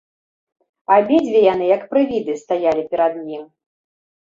Абедзве яны, як прывіды, стаялі перад ім.